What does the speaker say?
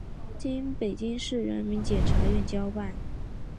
经北京市人民检察院交办